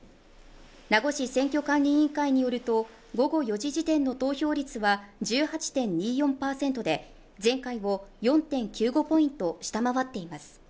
名護市選挙管理委員会によると、午後４時時点の投票率は１８．２４％で、前回を４．９５ポイント下回っています。